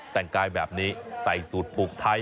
แต่งกายแบบนี้ใส่สูตรปลูกไทย